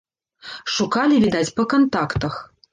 Шукалі, відаць, па кантактах.